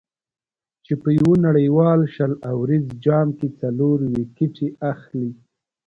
چې په یو نړیوال شل اوریز جام کې څلور ویکټې اخلي.